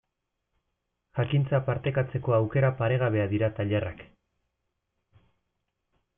Jakintza partekatzeko aukera paregabea dira tailerrak.